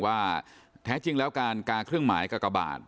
ว่าแท้จริงแล้วการกาเครื่องหมายกากบาท